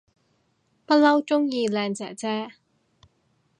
不嬲鍾意靚姐姐